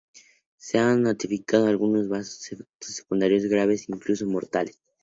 Se han notificado algunos casos de efectos secundarios graves, incluso mortales.